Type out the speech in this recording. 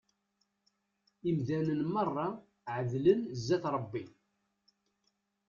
Imdanen merra εedlen zzat Rebbi.